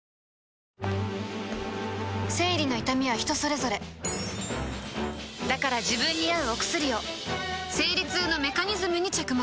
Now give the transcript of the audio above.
生理の痛みは人それぞれだから自分に合うお薬を生理痛のメカニズムに着目